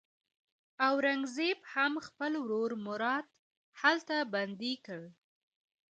اورنګزېب هم خپل ورور مراد هلته بندي کړ.